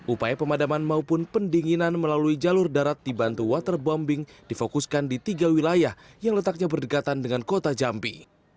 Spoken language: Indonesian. upaya pemadaman maupun pendinginan melalui jalur darat dibantu waterbombing difokuskan di tiga wilayah yang letaknya berdekatan dengan kota jambi